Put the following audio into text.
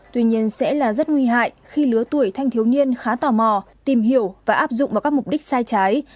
tuy nhiên sẽ là rất nguy hại khi lứa tuổi thanh thiếu niên khá tò mò tìm hiểu và áp dụng vào các mục đích sai trái